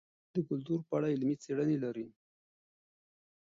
افغانستان د کلتور په اړه علمي څېړنې لري.